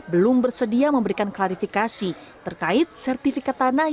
belum bersedia memberikan klarifikasi terkait sertifikat tanah